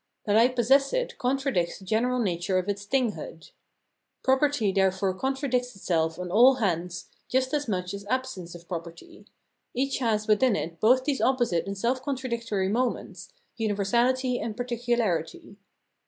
That I possess it contradicts the general nature of its thinghood. Property therefore contradicts itself on all hands just as much as absence of property ; each has within it both these opposite and self contra dictory moments, universahty and particularity.